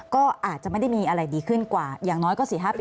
ก็อาจจะไม่ได้มีอะไรดีขึ้นกว่าอย่างน้อยก็๔๕ปี